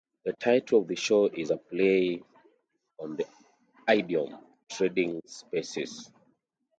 The title of the show is a play on the idiom "Trading Spaces".